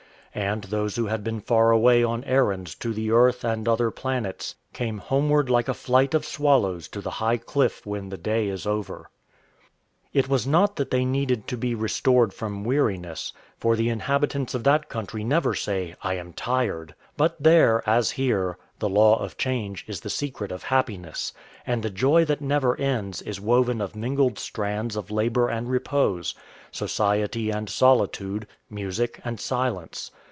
And those who had been far away on errands to the Earth and other planets came homeward like a flight of swallows to the high cliff when the day is over. It was not that they needed to be restored from weariness, for the inhabitants of that country never say, "I am tired." But there, as here, the law of change is the secret of happiness, and the joy that never ends is woven of mingled strands of labour and repose, society and solitude, music and silence.